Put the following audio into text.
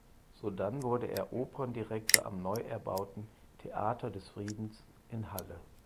Sodann wurde er Operndirektor am neu erbauten "Theater des Friedens" in Halle.